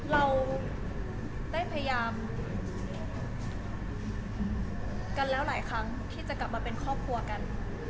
เราได้พยายามกันแล้วหลายครั้งที่จะกลับมาเป็นครอบครัวกัน